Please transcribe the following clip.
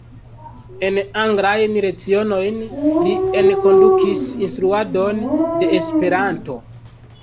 En anglajn lecionojn li enkondukis instruadon de Esperanto.